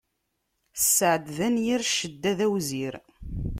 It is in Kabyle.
Sseɛd d anyir, cedda d awzir.